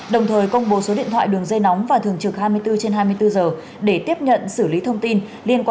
đồng thời công bố số điện thoại đường dây nóng và thường trực hai mươi bốn trên hai mươi bốn giờ để tiếp nhận